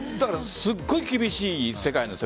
すごい厳しい世界なんです。